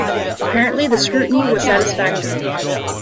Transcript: Apparently the scrutiny was satisfactory.